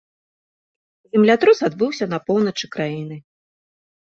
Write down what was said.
Землятрус адбыўся на поўначы краіны.